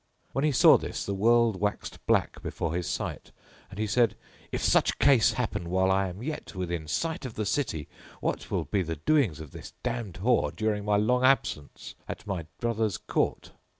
When he saw this the world waxed black before his sight and he said, "If such case happen while I am yet within sight of the city what will be the doings of this damned whore during my long absence at my brother's court?"